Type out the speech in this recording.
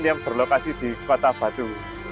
yang berlokasi di kota batu